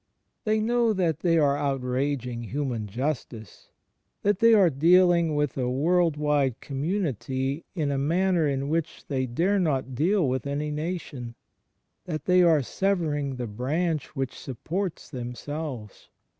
They know that they are outraging human justice, that they are dealing with a world wide community in a manner in which they dare not deal with any nation; that they are severing the branch which supports them selves.